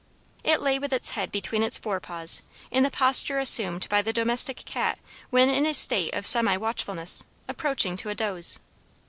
It lay with its head between its forepaws in the posture assumed by the domestic cat when in a state of semi watchfulness, approaching to a doze.